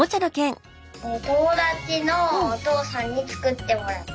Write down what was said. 友達のお父さんに作ってもらった。